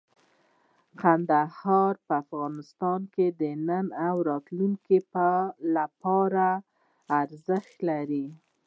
کندهار په افغانستان کې د نن او راتلونکي لپاره ارزښت لري.